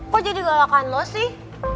kok jadi galakan lo sih